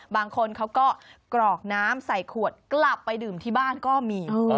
บางคนเขาก็กรอกน้ำใส่ขวดกลับไปดื่มที่บ้านก็มี